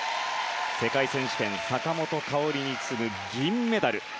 世界選手権坂本花織に次ぐ銀メダル。